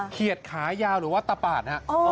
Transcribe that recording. เขียดขายาวหรือว่าตะปาดฮะ